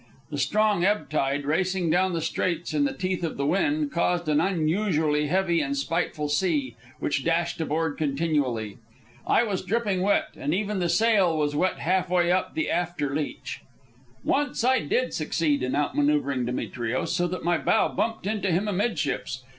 The strong ebb tide, racing down the Straits in the teeth of the wind, caused an unusually heavy and spiteful sea, which dashed aboard continually. I was dripping wet, and even the sail was wet half way up the after leech. Once I did succeed in outmanoeuvring Demetrios, so that my bow bumped into him amidships.